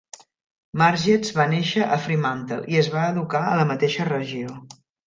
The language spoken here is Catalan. Margetts va néixer a Fremantle i es va educar a la mateixa regió.